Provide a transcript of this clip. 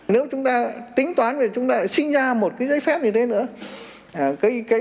nếu chúng ta tính toán thì chúng ta lại sinh ra một cái giấy phép như thế nữa